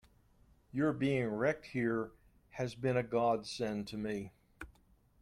Your being wrecked here has been a godsend to me.